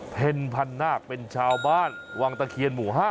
เพ็ญพันนาคเป็นชาวบ้านวังตะเคียนหมู่๕